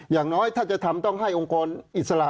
อย่างน้อยถ้าจะทำต้องให้องค์กรอิสระ